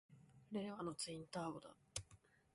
令和のツインターボだ！